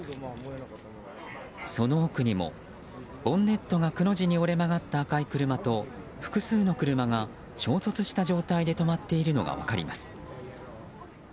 その奥にも、ボンネットがくの字に折れ曲がった赤い車と複数の車が衝突した状態で止まっているのが分かります。